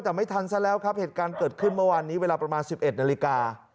แต่ไม่ทันซะแล้วครับเหตุการณ์เกิดขึ้นเมื่อวานนี้เวลาประมาณ๑๑นาฬิกา